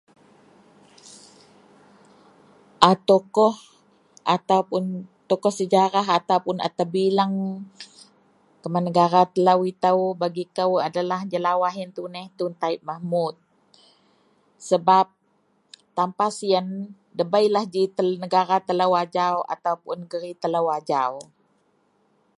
a tokoh ataupun tokoh sejarah ataupun a terbilang kuman negara telou itou, bagi kou jelawaih ien tuneh tun taib mahmud sebab tanpa sien, debeilah ji negara telou ajau ataupun negeri telou ajau